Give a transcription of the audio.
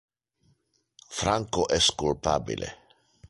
Franco es culpabile.